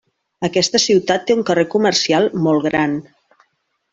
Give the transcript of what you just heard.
Aquesta ciutat té un carrer comercial molt gran.